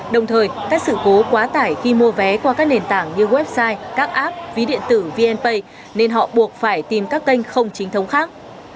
đồng thời các sự cố quá tải khi mua vé qua các nền tảng như website các app ví điện tử vnpay nên họ buộc phải tìm các kênh không chính thống khác